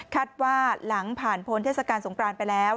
ว่าหลังผ่านพ้นเทศกาลสงครานไปแล้ว